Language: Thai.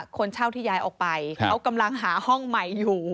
คนเช่าที่ย้ายออกไปเขากำลังหาห้องใหม่อยู่